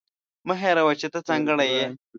مه هېروه چې ته ځانګړې یې.